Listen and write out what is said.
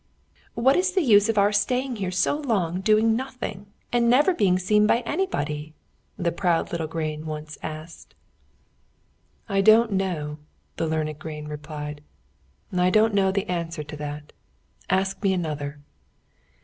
"What is the use of our staying here so long doing nothing, and never being seen by anybody?" the proud little grain once asked. "I don't know," the learned grain replied. "I don't know the answer to that. Ask me another."